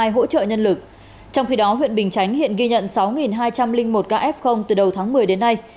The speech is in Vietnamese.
hỗ trợ nhân lực trong khi đó huyện bình chánh hiện ghi nhận sáu hai trăm linh một ca f từ đầu tháng một mươi đến nay